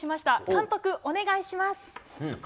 監督、お願いします。